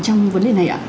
trong vấn đề này ạ